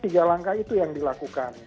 jadi tiga langkah itu yang dilakukan